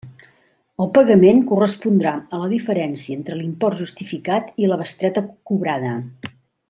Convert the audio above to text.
El pagament correspondrà a la diferència entre l'import justificat i la bestreta cobrada.